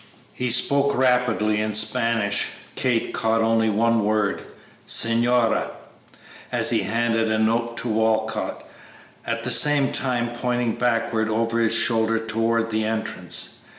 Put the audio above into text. He spoke rapidly in Spanish. Kate caught only one word, "Señora," as he handed a note to Walcott, at the same time pointing backward over his shoulder towards the entrance.